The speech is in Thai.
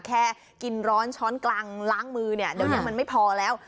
แค่กินร้อนช้อนกลางล้างมือเนี่ยเดี๋ยวนี้มันไม่พอแล้ว